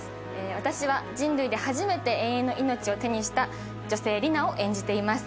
私は人類で初めて永遠の命を手にした女性、リナを演じています。